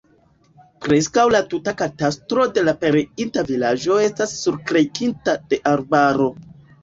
Preskaŭ la tuta katastro de la pereinta vilaĝo estas surkrejkinta de arbaro.